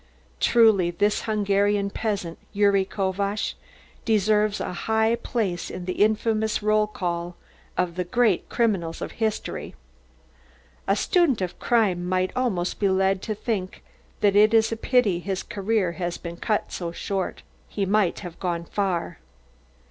Truly, this Hungarian peasant, Gyuri Kovacz, deserves a high place in the infamous roll call of the great criminals of history. A student of crime might almost be led to think that it is a pity his career has been cut short so soon. He might have gone far.